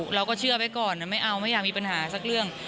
เราก็เชื่อไว้ก่อนไม่เอาไม่อยากมีปัญหาสักเรื่อง